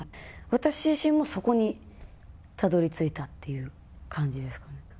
私自身もそこにたどりついたっていう感じですかね。